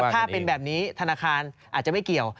ถ้าเป็นแบบนี้ธนาคารอาจจะไม่เกี่ยว